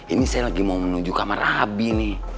ini saya lagi mau menuju kamar habi nih